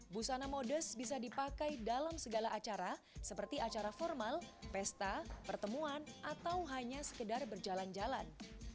busana modest bisa dipakai dalam segala acara seperti acara formal pesta pertemuan atau hanya sekedar berjalan jalan